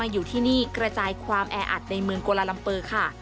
อยู่ที่นี่กระจายความแออัดในเมืองโกลาลัมเปอร์ค่ะ